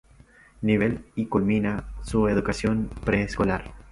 Nivel y culmina su educación preescolar.